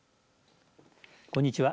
こんにちは。